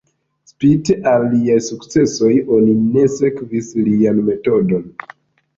Spite al liaj sukcesoj, oni ne sekvis lian metodon.